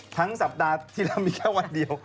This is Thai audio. สัปดาห์ที่แล้วมีแค่วันเดียว